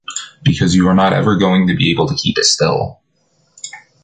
Because you are not ever going to be able to keep it still.